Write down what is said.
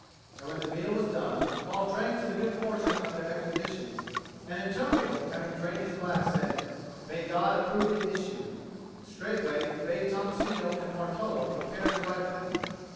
And when the meal was done, Paul drank to the good fortune of their expedition; and Antonio having drained his glass, said, "May God approve the issue," and straightway bade Tommasino and Martolo prepare to ride with him.